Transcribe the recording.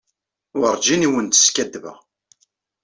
Werǧin i wen-d-skaddbeɣ.